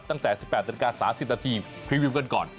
ตั้งแต่๑๘๓๐นพรีวิวกันก่อน